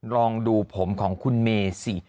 ลองดูผมของคุณเมย์สิ